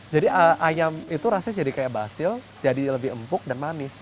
jadi ayam itu rasanya jadi kayak basil jadi lebih empuk dan manis